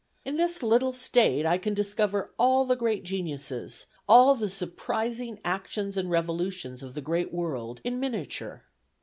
In this little state I can discover all the great geniuses, all the surprising actions and revolutions of the great world, in miniature.